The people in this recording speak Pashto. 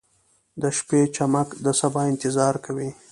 • د شپې چمک د سبا انتظار کوي.